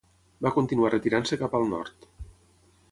Va continuar retirant-se cap al nord.